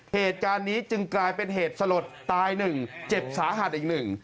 เหตุการณ์นี้จึงกลายเป็นเหตุสลดตายหนึ่งเจ็บสาหัสอีกหนึ่ง